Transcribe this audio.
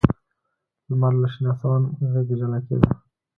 لمر له شین اسمان غېږې جلا کېده.